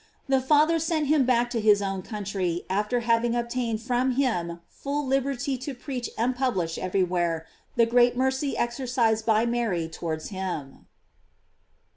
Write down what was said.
The Father sent him back to his own country after having obtained from him full liberty to preach and publish everywhere the great mercy exercised by Mary towards him.